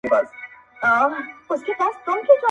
خدایه څه کانه را وسوه- دا د چا آزار مي واخیست-